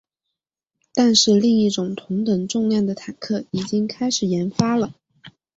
但是另一种同等重量的坦克已经开始研发了。